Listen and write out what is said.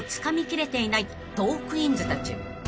［トークィーンズたち］